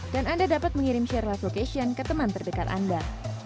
dan anda dapat mengirim share live location ke teman terdekat anda